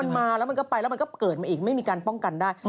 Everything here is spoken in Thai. มันมาแล้วมันก็ไปแล้วมันก็เกิดมาอีกไม่มีการป้องกันได้